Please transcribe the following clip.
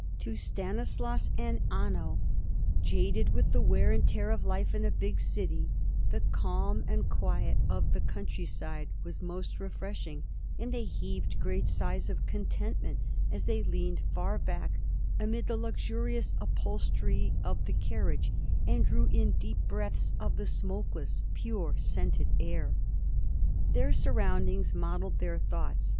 To Stanislaus and Anno, jaded with the wear and tear of life in a big city, the calm and quiet of the country side was most refreshing, and they heaved great sighs of contentment as they leaned far back amid the luxurious upholstery of the carriage, and drew in deep breaths of the smokeless, pure, scented air. Their surroundings modelled their thoughts.